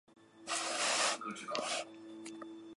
节目旨在评选出中国优秀的原创歌曲与唱作人。